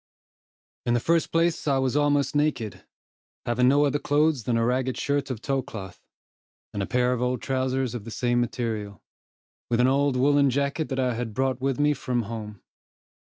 In the first place I was almost naked, having no other clothes than a ragged shirt of tow cloth, and a pair of old trowsers of the same material, with an old woollen jacket that I had brought with me from home.